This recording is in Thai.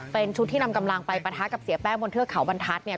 เป็นชุดที่นำกำลังไปปะทะกับเสียแป้งบนเทือกเขาบรรทัศน์เนี่ย